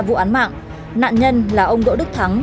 vụ án mạng nạn nhân là ông đỗ đức thắng